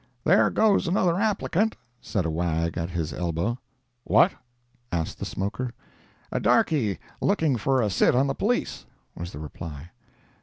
"There goes another applicant," said a wag at his elbow. "What?" asked the smoker. "A darkey looking for a sit on the Police," was the reply.